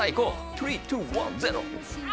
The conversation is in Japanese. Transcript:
トゥリーツーワンゼロ！